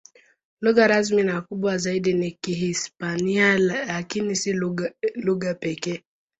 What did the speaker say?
Lugha rasmi na kubwa zaidi ni Kihispania, lakini si lugha pekee.